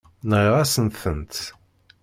Nɣiɣ-asen-tent.